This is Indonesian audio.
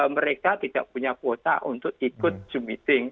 mereka tidak punya kuota untuk ikut zoom meeting